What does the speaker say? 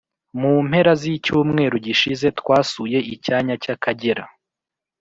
mu mpera z’icyumweru gishize twasuye icyanya cy’Akagera